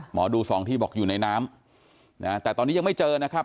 หมอดูสองที่บอกอยู่ในน้ำแต่ตอนนี้ยังไม่เจอนะครับ